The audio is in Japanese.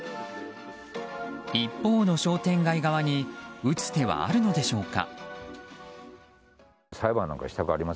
一方の商店街側に打つ手はあるのでしょうか。